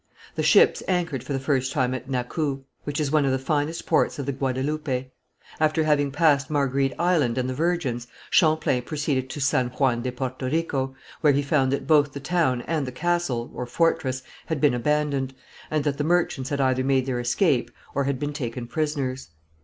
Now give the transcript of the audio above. The ships anchored for the first time at Nacou, which is one of the finest ports of the Guadeloupe. After having passed Marguerite Island and the Virgins, Champlain proceeded to San Juan de Porto Rico, where he found that both the town and the castle or fortress had been abandoned, and that the merchants had either made their escape or had been taken prisoners.